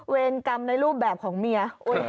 เวรกรรมในรูปแบบของเมีย